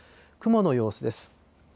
雲の様子です。